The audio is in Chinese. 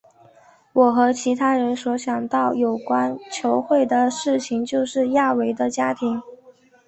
我和其他人所想到有关球会的事情就是亚维的家庭。